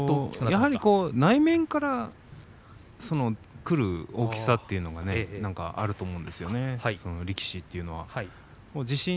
内面からくる大きさというのがあると思うんですよ力士は。